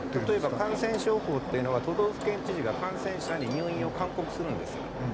例えば感染症法っていうのは都道府県知事が感染者に入院を勧告するんです。